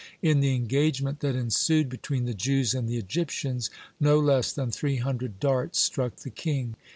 In the engagement that ensued between the Jews and the Egyptians, no less than three hundred darts struck the king.